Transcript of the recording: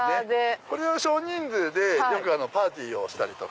これは少人数でパーティーをしたりとか。